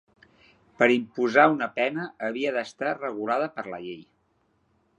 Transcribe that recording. Per imposar una pena havia d'estar regulada per la llei.